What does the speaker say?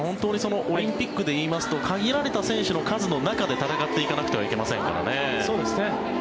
オリンピックでいいますと限られた選手の中で戦っていかなくてはいけませんからね。